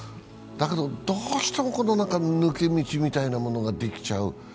だけど、どうしても抜け道みたいなものができちゃう。